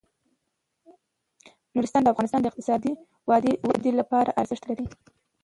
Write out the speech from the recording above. نورستان د افغانستان د اقتصادي ودې لپاره ارزښت لري.